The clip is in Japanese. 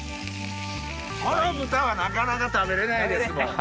この豚はなかなか食べれないですもん。